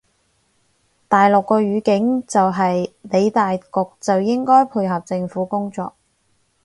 大陸個語境就係理大局就應該配合政府工作